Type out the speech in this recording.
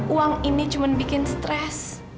uang ini cuma bikin stres